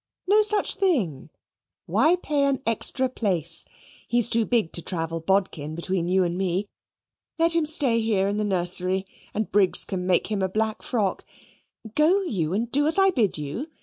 "No such thing; why pay an extra place? He's too big to travel bodkin between you and me. Let him stay here in the nursery, and Briggs can make him a black frock. Go you, and do as I bid you.